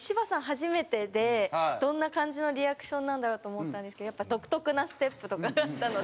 初めてでどんな感じのリアクションなんだろうと思ったんですけどやっぱ独特なステップとかがあったので。